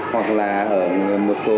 hoặc là ở một số